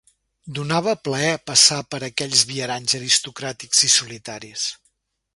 Donava plaer passar per aquells viaranys aristocràtics i solitaris